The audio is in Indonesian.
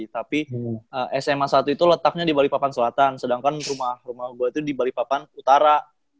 tapi sma satu itu letaknya di bali papan selatan sedangkan rumah rumah gue itu di bali papan utara